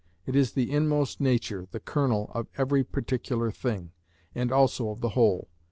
It is the inmost nature, the kernel, of every particular thing, and also of the whole.